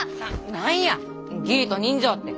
何や義理と人情って。